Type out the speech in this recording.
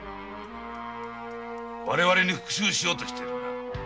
我々に復讐しようとしているのだ。